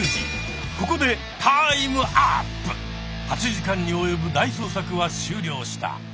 ８時間に及ぶ大捜索は終了した。